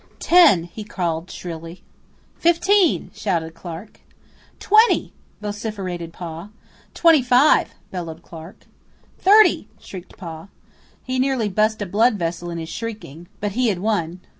"Ten," he called shrilly. "Fifteen," shouted Clarke. "Twenty," vociferated Pa. "Twenty five," bellowed Clarke. "Thirty," shrieked Pa. He nearly bust a blood vessel in his shrieking, but he had won.